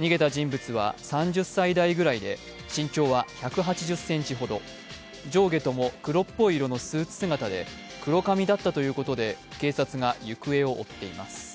逃げた人物は３０歳代ぐらいで身長は１８０ｃｍほど、上下度も黒っぽい色のスーツ姿で黒髪だったということで警察が行方を追っています。